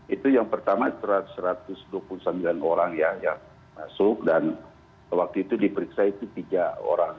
itu yang pertama satu ratus dua puluh sembilan orang ya yang masuk dan waktu itu diperiksa itu tiga orang